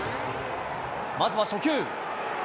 まずは初球。